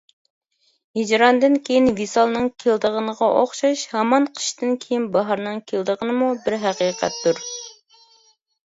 ھىجراندىن كېيىن ۋىسالنىڭ كېلىدىغىنىغا ئوخشاش، ھامان قىشتىن كېيىن باھارنىڭ كېلىدىغىنىمۇ بىر ھەقىقەتتۇر.